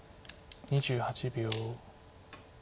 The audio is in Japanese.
２８秒。